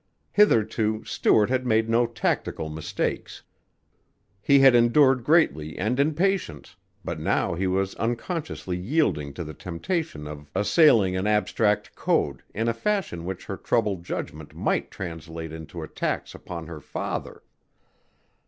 Hitherto Stuart had made no tactical mistakes. He had endured greatly and in patience, but now he was unconsciously yielding to the temptation of assailing an abstract code in a fashion which her troubled judgment might translate into attacks upon her father.